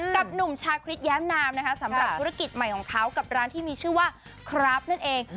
กับหนุ่มชาคริสแย้มนามนะคะสำหรับธุรกิจใหม่ของเขากับร้านที่มีชื่อว่าคราฟนั่นเอง